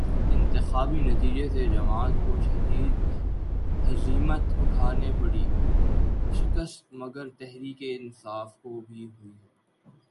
انتخابی نتیجے سے جماعت کو شدید ہزیمت اٹھانا پڑی، شکست مگر تحریک انصاف کو بھی ہوئی ہے۔